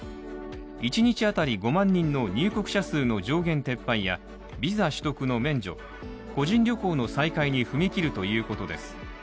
１日当たり５万人の入国者数の上限撤廃や、ビザ取得の免除、個人旅行の再開に踏み切るということです。